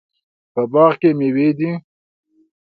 په باغ کې میوې دي